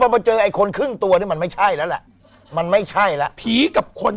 มาเจอไอ้คนครึ่งตัวนี่มันไม่ใช่แล้วแหละมันไม่ใช่แล้วผีกับคน